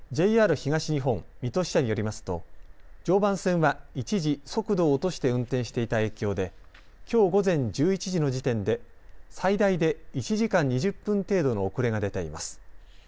ＪＲ東日本水戸支社によりますと常磐線は一時、速度を落として運転していた影響できょう午前１１時の時点で最大で１時間２０分程度の遅れが出ています。